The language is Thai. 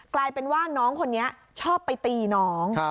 กลายเป็นว่าน้องคนนี้ชอบไปตีน้อง